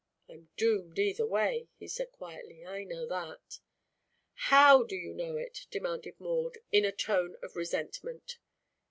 "I'm doomed, either way," he said quietly. "I know that." "How do you know it?" demanded Maud in a tone of resentment.